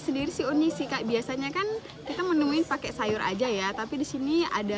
sendiri sih unik sih kak biasanya kan kita menemuin pakai sayur aja ya tapi di sini ada